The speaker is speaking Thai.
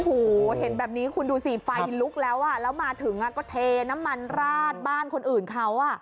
โอ้โหเห็นแบบนี้คุณดูสิไฟลุกแล้วอ่ะแล้วมาถึงก็เทน้ำมันราดบ้านคนอื่นเขา